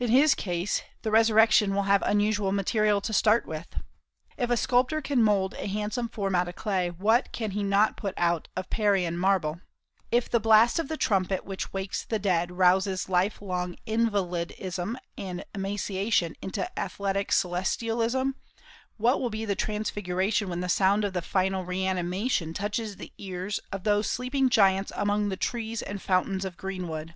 In his case the resurrection will have unusual material to start with. If a sculptor can mould a handsome form out of clay, what can he not put out of Parian marble? If the blast of the trumpet which wakes the dead rouses life long invalidism and emaciation into athletic celestialism, what will be the transfiguration when the sound of final reanimation touches the ear of those sleeping giants among the trees and fountains of Greenwood?